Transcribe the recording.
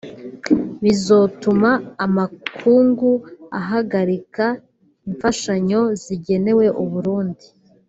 bizotuma amakungu ahagarika imfashanyo zigenewe u Burundi